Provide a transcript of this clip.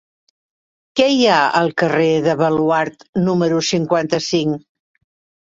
Què hi ha al carrer del Baluard número cinquanta-cinc?